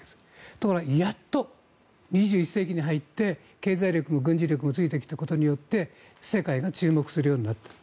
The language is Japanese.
ところが、やった２１世紀に入って経済力も軍事力もついてきたことによって世界が注目するようになった。